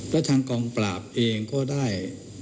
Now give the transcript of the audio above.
และทางกองปราบเองก็ได้